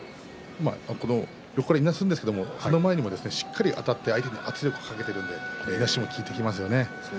ここからいなすんですけれどもその前にしっかりあたって相手に圧力をかけているのでいなしも効いてきますね。